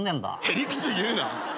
へりくつ言うな。